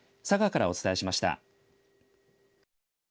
佐賀からお伝えしました。